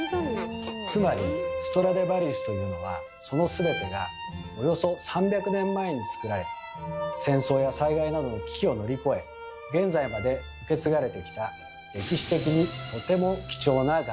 つまりストラディヴァリウスというのはその全てがおよそ３００年前に作られ戦争や災害などの危機を乗り越え現在まで受け継がれてきた歴史的にとても貴重な楽器なんです。